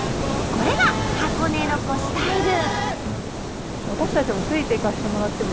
これが箱根ロコスタイル！